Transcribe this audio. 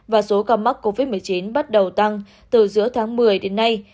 và số ca mắc covid một mươi chín bắt đầu tăng từ giữa tháng một mươi đến nay